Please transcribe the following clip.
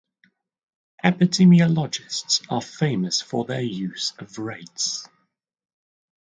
Epidemiologists are famous for their use of rates.